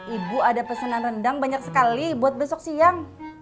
ibu ada pesanan rendang banyak sekali buat besok siang